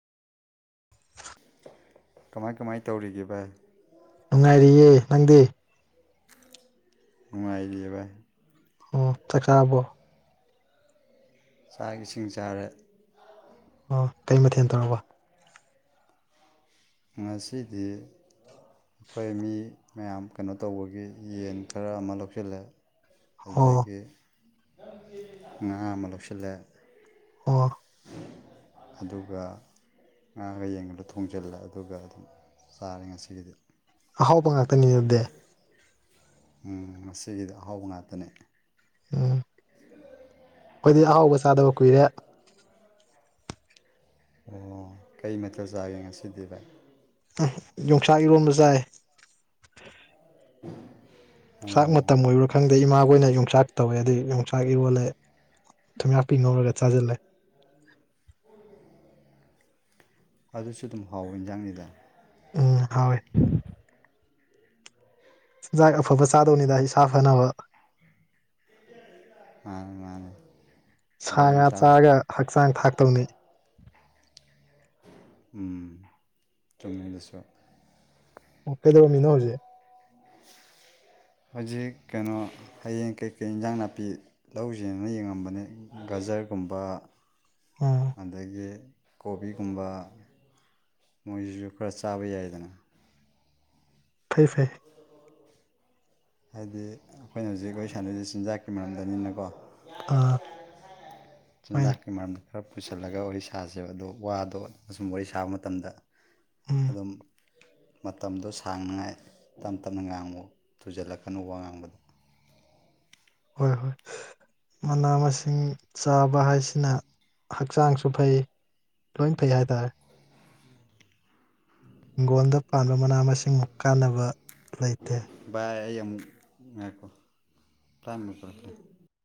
ꯀꯃꯥꯏ ꯀꯃꯥꯏ ꯇꯧꯔꯤꯒꯦ ꯚꯥꯏ ꯅꯨꯡꯉꯥꯏꯔꯤꯌꯦ ꯅꯪꯗꯤ ꯅꯨꯡꯉꯥꯏꯔꯤꯌꯦ ꯕꯥꯏ ꯑ‌ꯣ ꯆꯥꯛ ꯆꯥꯔꯕꯣ ꯆꯥꯛ ꯏꯁꯤꯡ ꯆꯥꯔꯦ ꯑꯣ ꯀꯔꯤ ꯃꯊꯦꯜ ꯇꯧꯔꯕ ꯉꯁꯤꯗꯤ ꯑꯈꯣꯏ ꯃꯤ ꯃꯌꯥꯝ ꯀꯩꯅꯣ ꯇꯧꯕꯒꯤ ꯌꯦꯟ ꯈꯔ ꯑꯃ ꯂꯧꯁꯤꯜꯂꯦ ꯑꯣ ꯑꯗꯒꯤ ꯉꯥ ꯑꯃ ꯂꯧꯁꯤꯜꯂꯦ ꯑꯣ ꯑꯗꯨꯒ ꯉꯥꯒ ꯌꯦꯟꯒꯗꯣ ꯊꯣꯡꯖꯤꯜꯂꯦ ꯑꯗꯨꯒ ꯑꯗꯨꯝ ꯆꯥꯔꯦ ꯉꯁꯤꯒꯤꯗꯤ ꯑꯍꯥꯎꯕ ꯉꯥꯛꯇꯅꯤ ꯑꯗꯨꯗꯤ ꯎꯝ ꯉꯁꯤꯒꯤꯗꯤ ꯑꯍꯥꯎꯕ ꯉꯥꯛꯇꯅꯦ ꯎꯝ ꯈꯣꯏꯗꯤ ꯑꯍꯥꯎꯕ ꯆꯥꯗꯕ ꯀꯨꯏꯔꯦ ꯑꯣ ꯀꯩ ꯃꯊ‌ꯦꯜ ꯆꯥꯒꯦ ꯉꯁꯤꯗꯤ ꯚꯥꯏ ꯎꯝ ꯌꯣꯡꯆꯥꯛ ꯏꯔꯣꯟꯕ ꯆꯥꯏ [unintelligible] ꯆꯥꯛ ꯑꯣ ꯃꯇꯝ ꯑꯣꯏꯔꯕꯔꯥ ꯈꯪꯗꯦ ꯏꯃꯥ ꯑꯣꯏꯅ ꯌꯣꯡꯆꯥꯛ ꯇꯧꯋꯦ ꯑꯗꯩ ꯌꯣꯡꯆꯥꯛ ꯏꯔꯣꯜꯂꯦ ꯊꯨꯝꯌꯥꯥꯛꯄꯤ ꯉꯧꯔꯒ ꯆꯥꯁꯤꯜꯂꯦ [unintelligible] ꯑꯗꯨꯁꯨ ꯑꯗꯨꯝ ꯍꯥꯎꯕ ꯏꯟꯖꯥꯡꯅꯤꯗ ꯎꯝ ꯍꯥꯎ ꯑ‌ꯦ ꯆꯤꯟꯖꯥꯛ ꯑꯐꯕ ꯆꯥꯗꯧꯅꯤꯗ ꯏꯁꯥ ꯐꯅꯕ ꯃꯥꯅꯦ ꯃꯥꯅꯦ ꯁꯥ ꯉꯥ ꯆꯥꯔꯒ ꯍꯛꯆꯥꯡ ꯊꯥꯛꯇꯧꯅꯤ ꯎꯝ ꯆꯨꯝꯃꯤ ꯑꯗꯨꯁꯨ ꯑꯣ ꯀꯩꯗꯧꯔꯝꯃꯤꯅꯣ ꯍꯧꯖꯤꯛ ꯍꯧꯖꯤꯛ ꯀꯩꯅꯣ ꯍꯌꯦꯡ ꯀꯩꯀꯩ ꯏꯟꯁꯥꯡ ꯅꯥꯄꯤ ꯂꯧꯎꯁꯤꯅ ꯌꯦꯡꯉꯝꯕꯅꯦ ꯒꯖꯔꯒꯨꯝꯕ ꯎꯝ ꯑꯗꯒꯤ ꯀꯣꯕꯤꯒꯨꯝꯕ ꯃꯣꯏꯁꯤꯁꯨ ꯈꯔ ꯆꯥꯕ ꯌꯥꯏꯗꯅ ꯐꯩ ꯐꯩ ꯍꯥꯏꯗꯤ ꯑꯩꯈꯣꯏꯅ ꯍꯧꯖꯤꯛ ꯋꯥꯔꯤ ꯁꯥꯟꯅꯔꯤꯁꯤ ꯆꯤꯟꯖꯥꯛꯀꯤ ꯃꯔꯝꯗꯅꯤꯅꯀꯣ ꯑꯥ ꯍꯣꯏ ꯆꯤꯟꯖꯥꯛꯀꯤ ꯃꯔꯝ ꯈꯔ ꯄꯨꯁꯜꯂꯒ ꯋꯥꯔꯤ ꯁꯥꯁꯦꯕ ꯑꯗꯣ ꯋꯥꯗꯣ ꯑꯁꯨꯝ ꯋꯥꯔꯤ ꯁꯥꯕ ꯃꯇꯝꯗ ꯎꯝ ꯑꯗꯨꯝ ꯃꯇꯝꯗꯣ ꯁꯥꯡꯅꯉꯥꯏ ꯇꯞ ꯇꯞꯅ ꯉꯥꯡꯉ‌ꯣ ꯊꯨꯖꯤꯜꯂꯛꯀꯅ‌ꯣ ꯋꯥ ꯉꯥꯡꯕꯗꯣ ꯍꯣꯏ ꯍꯣꯏ ꯃꯅꯥ ꯃꯁꯤꯡ ꯆꯥꯕ ꯍꯥꯏꯁꯤꯅ ꯍꯛꯆꯥꯡꯁꯨ ꯐꯩ ꯂꯣꯏ ꯐꯩ ꯍꯥꯏꯇꯥꯔꯦ ꯍꯤꯡꯒꯣꯜꯗ ꯄꯥꯟꯕ ꯃꯅꯥ ꯃꯁꯤꯡꯃꯨꯛ ꯀꯥꯟꯅꯕ ꯂꯩꯇꯦ ꯚꯥꯏ ꯑꯩ ꯑꯃꯨꯛ ꯉꯥꯏꯈꯣ ꯇꯥꯏꯝ ꯂꯣꯏꯁꯤꯜꯂꯛꯇ꯭ꯔꯤ